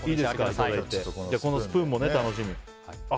このスプーンも楽しみ。